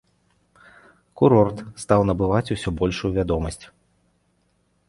Курорт стаў набываць усё большую вядомасць.